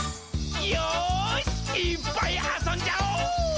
よーし、いーっぱいあそんじゃお！